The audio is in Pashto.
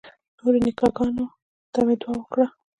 نورو نیکه ګانو ته مې دعا وکړه.